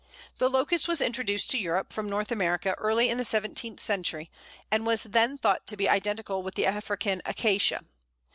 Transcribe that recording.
The Locust was introduced to Europe from North America early in the seventeenth century, and was then thought to be identical with the African Acacia.